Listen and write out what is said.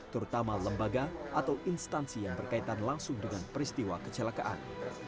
terutama lembaga atau instansi yang berkaitan langsung dengan peristiwa kecelakaan